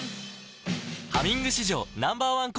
「ハミング」史上Ｎｏ．１抗菌